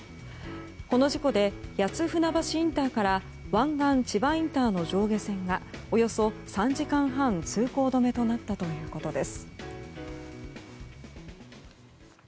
この事故で谷津船橋インターから湾岸千葉インターの上下線がおよそ３時間半通行止めとなったということです。